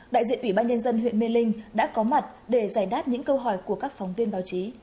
đại diện ủy ban nhân dân huyện mê linh đã có mặt để giải đáp những câu hỏi của các phóng viên báo chí